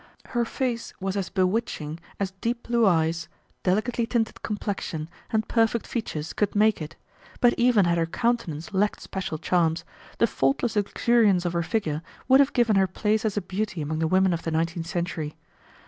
Her face was as bewitching as deep blue eyes, delicately tinted complexion, and perfect features could make it, but even had her countenance lacked special charms, the faultless luxuriance of her figure would have given her place as a beauty among the women of the nineteenth century.